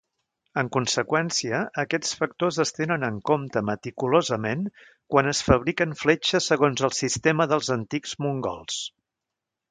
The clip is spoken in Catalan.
En conseqüència, aquests factors es tenen en compte meticulosament quan es fabriquen fletxes segons el sistema dels antics mongols.